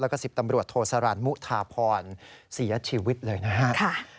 แล้วก็๑๐ตำรวจโทสารันมุทาพรเสียชีวิตเลยนะครับ